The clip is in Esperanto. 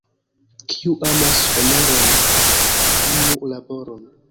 Kiu amas honoron, amu laboron.